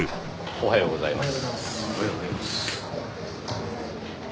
おはようございます。